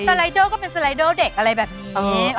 ไลเดอร์ก็เป็นสไลเดอร์เด็กอะไรแบบนี้